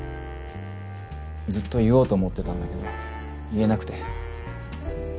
ずっと言おうと思ってたんだけど言えなくて。